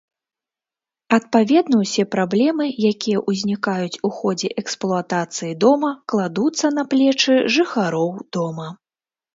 Адпаведна ўсе праблемы, якія ўзнікаюць у ходзе эксплуатацыі дома, кладуцца на плечы жыхароў дома.